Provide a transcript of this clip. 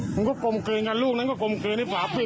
มันก็กลมเกลียนกันลูกนั้นก็กลมเกลียนที่ฝาปิดอยู่